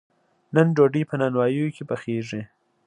نن ډوډۍ په نانواییو کې پخیږي.